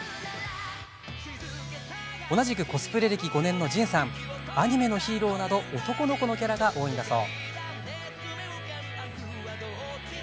同じくコスプレ歴５年のじんさんはアニメのヒーローなど男の子のキャラが多いんだそう。